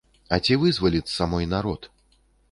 А ці вызваліцца мой народ?